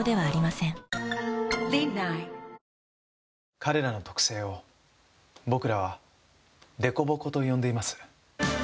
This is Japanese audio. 彼らの特性を僕らは凸凹と呼んでいます。